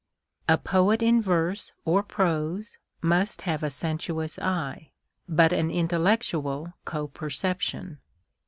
A poet in verse or prose must have a sensuous eye, but an intellectual co perception.